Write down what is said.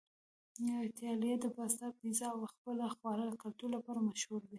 ایتالیا د پاستا، پیزا او خپل خواږه کلتور لپاره مشهوره ده.